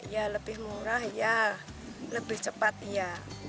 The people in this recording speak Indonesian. ya lebih murah ya lebih cepat ya